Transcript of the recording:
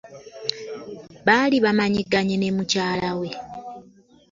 Baali bamanyiganye ne mukyalawe.